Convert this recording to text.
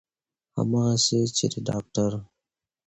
همغسې چې د داکتر